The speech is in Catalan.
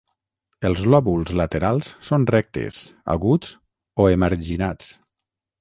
Els lòbuls laterals són rectes, aguts o emarginats.